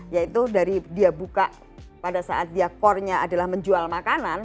yaitu dari dia buka pada saat dia core nya adalah menjual makanan